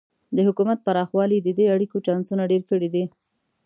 د حکومت پراخوالی د دې اړیکو چانسونه ډېر کړي دي.